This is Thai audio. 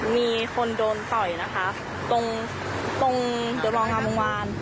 มีคนโดนต่อยนะครับตรงตรง